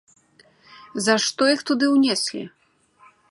За што іх туды ўнеслі?